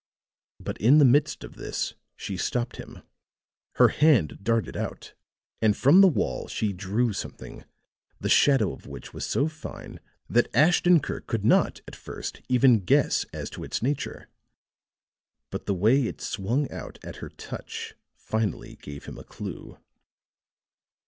But in the midst of this she stopped him. Her hand darted out, and from the wall she drew something, the shadow of which was so fine that Ashton Kirk could not, at first, even guess as to its nature. But the way it swung out at her touch finally gave him a clue.